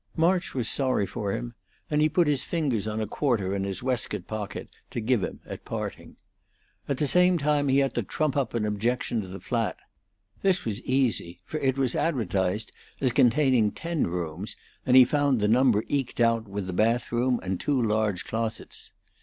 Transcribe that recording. March was sorry for him, and he put his fingers on a quarter in his waistcoat pocket to give him at parting. At the same time, he had to trump up an objection to the flat. This was easy, for it was advertised as containing ten rooms, and he found the number eked out with the bath room and two large closets.